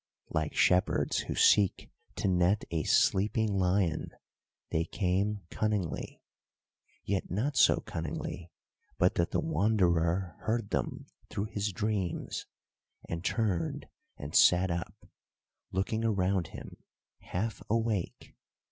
Like shepherds who seek to net a sleeping lion, they came cunningly; yet not so cunningly but that the Wanderer heard them through his dreams, and turned and sat up, looking around him half awake.